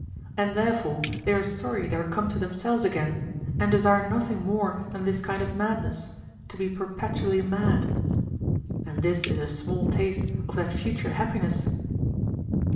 And therefore they are sorry they are come to themselves again and desire nothing more than this kind of madness, to be perpetually mad. And this is a small taste of that future happiness.